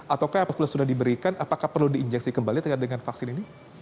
atau apakah sudah diberikan apakah perlu diinjeksi kembali dengan vaksin ini